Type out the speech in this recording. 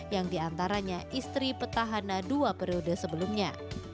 yang diantaranya istri petahana dua periode sebelumnya